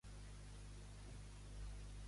Quantes coses es posà l'estat com a objectiu?